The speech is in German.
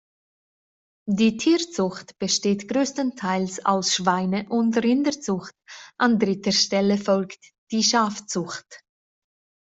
Die Tierzucht besteht größtenteils aus Schweine- und Rinderzucht, an dritter Stelle folgt die Schafzucht.